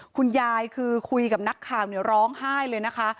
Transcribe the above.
คุณยายคือคุยกับนักข่าวเนี่ยร้องไห้เลยนะคะ